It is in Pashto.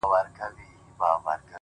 هره ورځ د نوي فصل پاڼه ده!